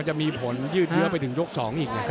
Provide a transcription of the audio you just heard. มันจะมีผลยืดเรื้อไปถึงยก๒อีก